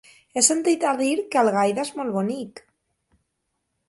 He sentit a dir que Algaida és molt bonic.